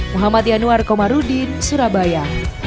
muhammad yanuar komarudin surabaya